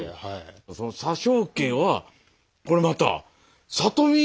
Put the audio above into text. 佐生家はこれまた里見。